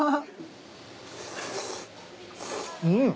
うん。